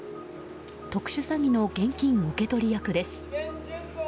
特殊詐欺の現金受け取り役です。